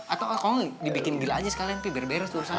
atau kalau dibikin gila aja sekalian pi beres beres tuh urusan itu